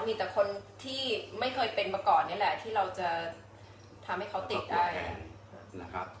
มีแต่คนที่ไม่เคยเป็นมาก่อนนี่แหละที่เราจะทำให้เขาติดได้นะครับ